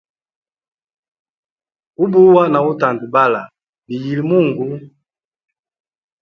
Ubuwa na utandabala biyile mungu.